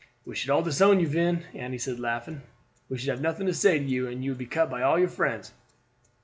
"We should all disown you, Vin," Annie said, laughing; "we should have nothing to say to you, and you would be cut by all your friends."